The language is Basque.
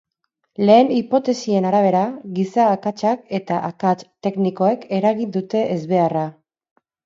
Lehen hipotesien arabera, giza akatsak eta akats teknikoek eragin dute ezbeharra.